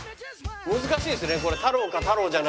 難しいですねこれ。